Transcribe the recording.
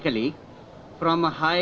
dari empat ratus lima belas setiap hari